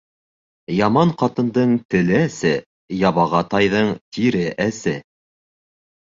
Яман ҡатындың теле әсе, ябаға тайҙың тире әсе.